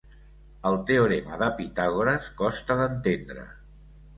El teorema de Pitàgores costa d'entendre.